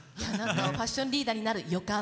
ファッションリーダーになる「予感」。